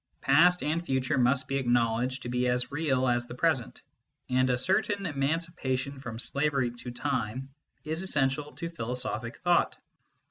Past and future must be acknowledged to be as real as the present, and a certain emancipation from slavery to time is essential to philosophic thought.